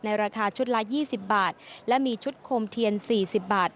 ในราคาชุดละยี่สิบบาทและมีชุดโคมเทียนสี่สิบบาท